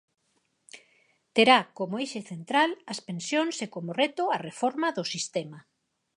Terá como eixe central as pensións e como reto a reforma do sistema.